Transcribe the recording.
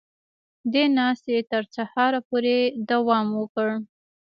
دې ناستې تر سهاره پورې دوام وکړ